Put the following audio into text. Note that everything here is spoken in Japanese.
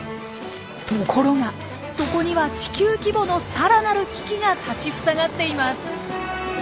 ところがそこには地球規模のさらなる危機が立ちふさがっています。